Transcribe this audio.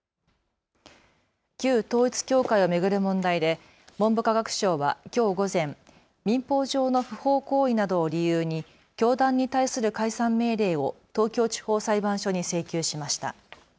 旧統一教会を巡る問題で文部科学省はきょう午前、民法上の不法行為などを理由に教団に対する解散命令を東京地方裁判所に請求しました。